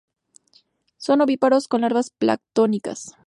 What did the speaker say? Son ovíparos con larvas planctónicas.